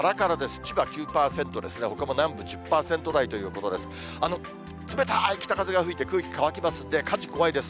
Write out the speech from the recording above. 千葉９％ですが、ほかも南部１０％台ということです。